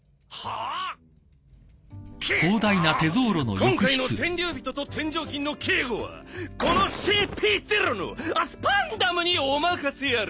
今回の天竜人と天上金の警護はこのＣＰ−０のスパンダムにお任せあれ！